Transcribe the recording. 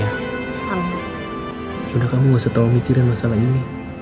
ya udah kamu gak usah terlalu mikirin masalah ini